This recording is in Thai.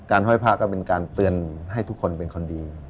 ห้อยผ้าก็เป็นการเตือนให้ทุกคนเป็นคนดี